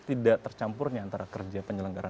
tidak tercampurnya antara kerja penyelenggaraan